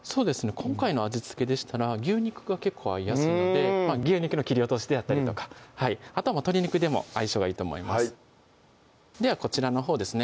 今回の味付けでしたら牛肉が結構合いやすいので牛肉の切り落としであったりとかあとは鶏肉でも相性がいいと思いますではこちらのほうですね